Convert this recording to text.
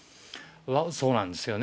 そうなんですよね。